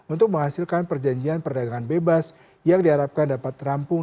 untuk menghasilkan perjanjian perdagangan bebas yang diharapkan dapat terampung